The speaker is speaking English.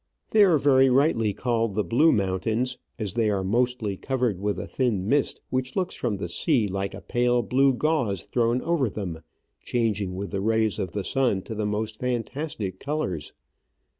These are very rightly called the Blue Mountains, as they are mostly covered with a thin mist which looks from the sea like a pale blue gauze thrown over them,, changing with the rays of the sun to the most fantastic colours.